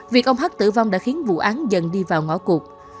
việc ông hắc tử vong đã khiến vụ án dần đi vào ngõ cuộc